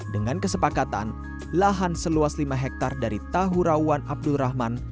dengan kesepakatan lahan seluas lima hektar dari tahu rawan abdul rahman